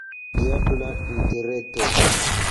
Diabla Interreto!